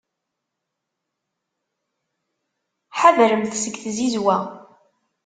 Ḥadremt seg tzizwa.